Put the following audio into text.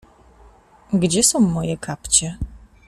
Gdzie są moje kapcie?